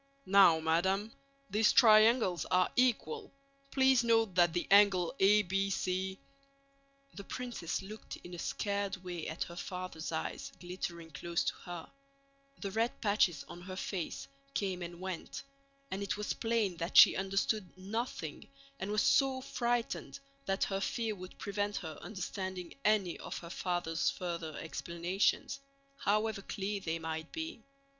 "Now, madam, these triangles are equal; please note that the angle ABC..." The princess looked in a scared way at her father's eyes glittering close to her; the red patches on her face came and went, and it was plain that she understood nothing and was so frightened that her fear would prevent her understanding any of her father's further explanations, however clear they might be.